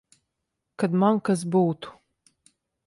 Kad man kas būtu.